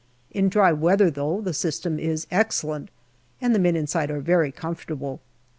In dry weather, though, the system is excellent, and the men inside are very comfortable.